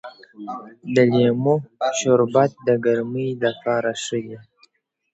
د لیمو شربت د ګرمۍ لپاره ښه دی.